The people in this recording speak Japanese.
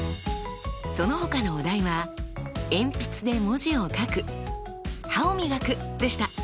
そのほかのお題は「鉛筆で文字を書く」「歯を磨く」でした。